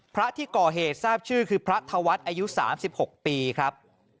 พระที่ก่อเหตุทราบชื่อคือพระธวัฒน์อายุ๓๖ปีครับ